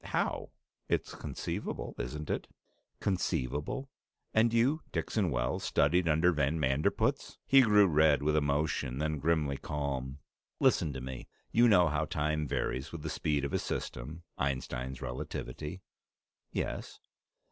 "How? It's conceivable, isn't it?" "Conceivable? And you, Dixon Wells, studied under van Manderpootz!" He grew red with emotion, then grimly calm. "Listen to me. You know how time varies with the speed of a system Einstein's relativity." "Yes."